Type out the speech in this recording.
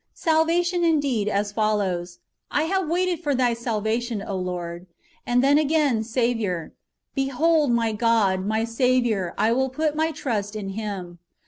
Salvation, indeed, as follows :" I have waited for Thy salvation, O Lord." ^ And then again, Saviour :" Behold my God, my Saviour, I will put my trust in Him."